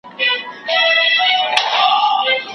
هغه همدا اوس د تېرو څېړنو پايلي ګوري.